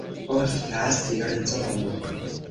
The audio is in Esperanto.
Oftas rizomo.